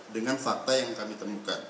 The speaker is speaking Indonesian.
dengan fakta yang kami temukan